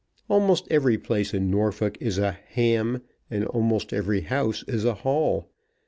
Almost every place in Norfolk is a "ham," and almost every house is a hall.